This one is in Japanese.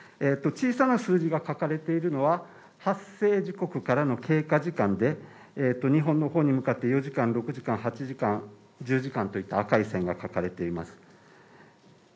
小さな数字が書かれているのは発生時刻からの経過時間で日本の方に向かって４時間６時間８時間１０時間といった赤い線が描かれています